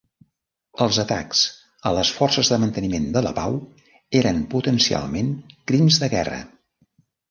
Els atacs a les forces de manteniment de la pau eren potencialment crims de guerra.